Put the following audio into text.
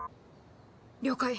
了解！